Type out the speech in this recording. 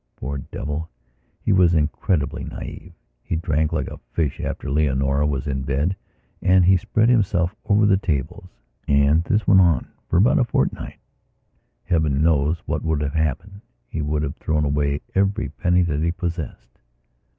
Poor devil, he was incredibly naïve. He drank like a fish after Leonora was in bed and he spread himself over the tables, and this went on for about a fortnight. Heaven knows what would have happened; he would have thrown away every penny that he possessed.